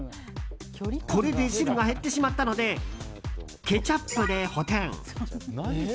これで汁が減ってしまったのでケチャップで補てん。